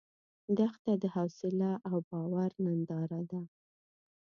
دښته د حوصله او باور ننداره ده.